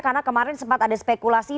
karena kemarin sempat ada spekulasi